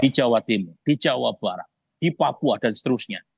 di jawa timur di jawa barat di papua dan seterusnya